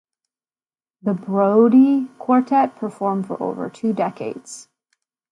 The Brode Quartet performed for over two decades.